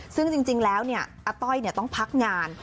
ซึ่งจริงแล้วอาต้อยต้องพักงาน